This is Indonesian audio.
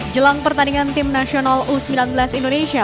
jelang pertandingan timnasional u sembilan belas indonesia